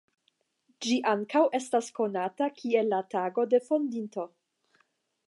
Ĝi ankaŭ estas konata kiel la Tago de Fondinto.